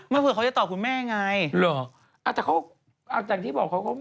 ไม่เผื่อเขาจะตอบคุณแม่ไง